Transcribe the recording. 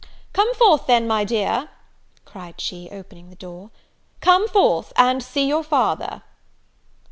"Come forth, then, my dear," cried she, opening the door; "come forth and see your father!"